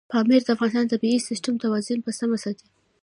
پامیر د افغانستان د طبعي سیسټم توازن په سمه ساتي.